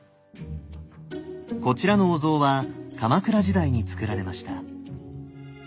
こちらのお像は鎌倉時代につくられました。